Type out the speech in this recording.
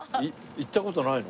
行った事ないの？